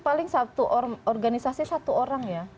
paling organisasi satu orang